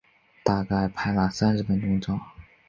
大概拍了三十分钟照